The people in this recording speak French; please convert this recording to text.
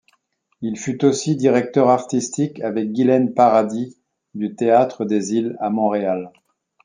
Il fut aussi directeur artistique avec Ghislaine Paradis du Théâtre des Îles à Montréal.